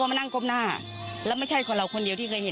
น้องจ้อยนั่งก้มหน้าไม่มีใครรู้ข่าวว่าน้องจ้อยเสียชีวิตไปแล้ว